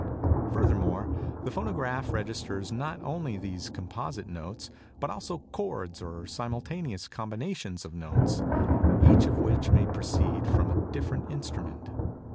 Furthermore, the phonograph registers not only these composite notes, but also chords or simultaneous combinations of notes, each of which may proceed from a different instrument.